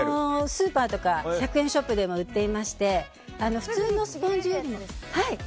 スーパーとか１００円ショップで売っていまして普通のスポンジよりも。